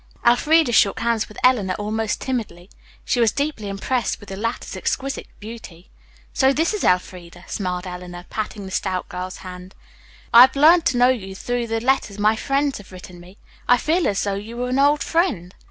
Elfreda shook hands with Eleanor almost timidly. She was deeply impressed with the latter's exquisite beauty. "So this is Elfreda," smiled Eleanor, patting the stout girl's hand. "I have learned to know you through the letters my friends have written me. I feel as though you were an old friend."